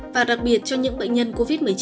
và đặc biệt cho những bệnh nhân covid một mươi chín